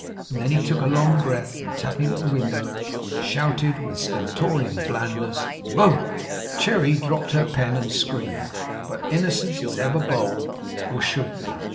And then he took a long breath, and tapping at the window, shouted with stentorian blandness: 'Boh!' Cherry dropped her pen and screamed. But innocence is ever bold, or should be.